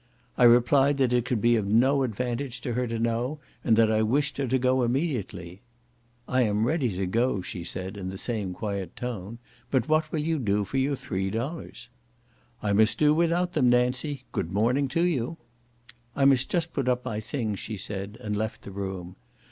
I replied that it could be of no advantage to her to know, and that I wished her to go immediately. "I am ready to go," she said, in the same quiet tone, "but what will you do for your three dollars?" "I must do without them, Nancy; good morning to you." "I must just put up my things," she said, and left the room.